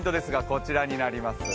こちらになります。